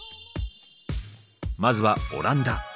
まずはオランダ。